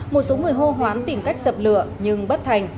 một số người hô hoán tìm cách dập lửa nhưng bất thành